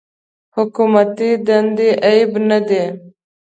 حکومتي دندې عیب نه دی.